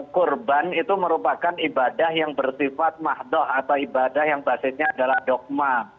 kurban itu merupakan ibadah yang bersifat mahdoh atau ibadah yang basisnya adalah dogma